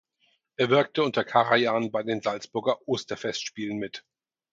Er wirkte unter Karajan bei den Salzburger Osterfestspielen mit.